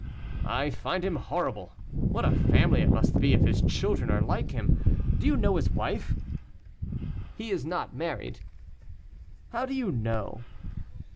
"I find him horrible; what a family it must be if his children are like him. Do you know his wife?" "He is not married." "How do you know?"